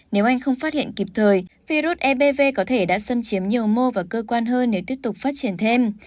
nếu anh không phát hiện kịp thời virus ebv có thể đã xâm chiếm nhiều mô và cơ quan hơn để tiếp tục phát triển thêm